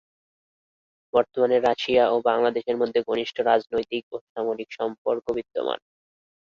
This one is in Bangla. বর্তমানে রাশিয়া ও বাংলাদেশের মধ্যে ঘনিষ্ঠ রাজনৈতিক ও সামরিক সম্পর্ক বিদ্যমান।